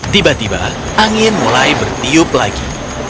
tiba tiba angin mulai bertiup lagi